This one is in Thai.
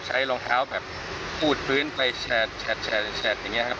รองเท้าแบบปูดพื้นไปแฉดอย่างนี้ครับ